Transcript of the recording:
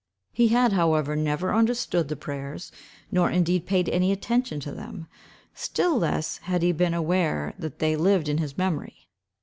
He had, however, never understood the prayers, nor indeed paid any attention to them; still less had he been aware that they lived in his memory.